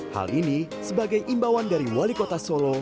hal ini sebagai imbauan dari wali kota solo